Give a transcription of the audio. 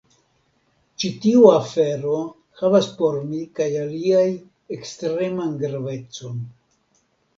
Ĉi tiu afero havas por mi kaj aliaj ekstreman gravecon.